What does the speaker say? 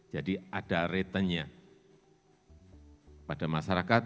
jadi ada return nya pada masyarakat